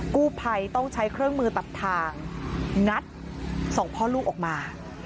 กู้ภัยต้องใช้เครื่องมือตัดทางงัดสองพ่อลูกออกมา